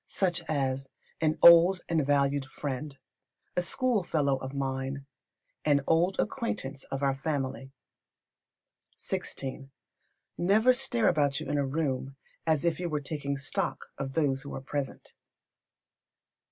Such as "an old and valued friend," a "schoolfellow of mine," "an old acquaintance of our family." xvi. Never stare about you in a room as if you were taking stock of those who are present.